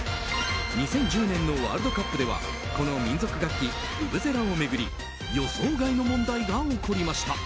２０１０年のワールドカップではこの民族楽器ブブゼラを巡り予想外の問題が起こりました。